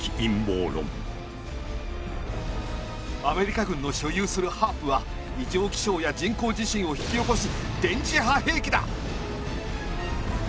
「アメリカ軍の所有するＨＡＡＲＰは異常気象や人工地震を引き起こす電磁波兵器だ！」。